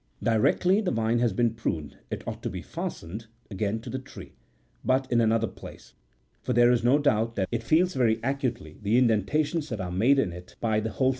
Directly the vine has been pruned, it ought to be fastened again to the tree, but in another place ; for there is no doubt that it feels very acutely the indentations that are made in it 62 Capreolis.